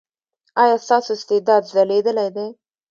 ایا ستاسو استعداد ځلیدلی دی؟